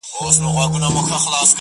• هغه خو دا خبري پټي ساتي؛